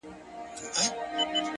سپوږمۍ په لپه کي هغې په تماسه راوړې ـ